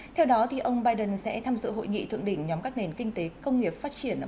theo đó ông biden sẽ tham dự hội nghị thượng đỉnh nhóm các nền kinh tế công nghiệp phát triển